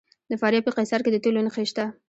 د فاریاب په قیصار کې د تیلو نښې شته.